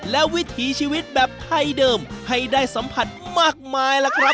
และวิถีชีวิตแบบไทยเดิมให้ได้สัมผัสมากมายล่ะครับ